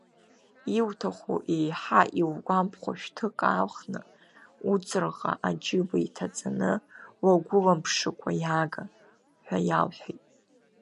Иуҭаху, еиҳа иугәаԥхо шәҭык аалхны уҵырҟа аџьыба иҭаҵаны, уагәыламԥшыкәа иаага, ҳәа иалҳәеит.